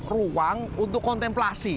ruang untuk kontemplasi